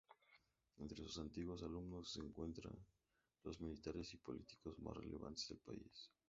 Entre sus antiguos alumnos se encuentran los militares y políticos más relevantes del país.